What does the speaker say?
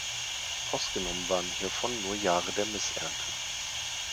Ausgenommen waren hiervon nur Jahre der Missernte.